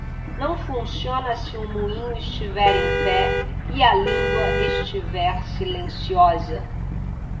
Não funciona se o moinho estiver em pé e a língua estiver silenciosa.